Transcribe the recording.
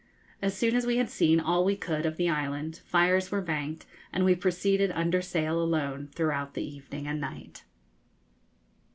As soon as we had seen all we could of the island, fires were banked, and we proceeded under sail alone throughout the evening and night.